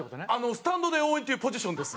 スタンドで応援っていうポジションです。